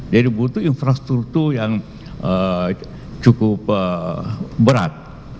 jadi butuh infrastruktur yang cukup berat